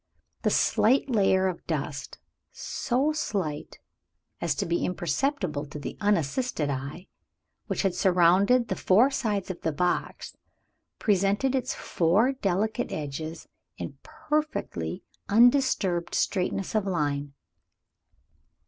The slight layer of dust so slight as to be imperceptible to the unassisted eye which had surrounded the four sides of the box, presented its four delicate edges in perfectly undisturbed straightness of line.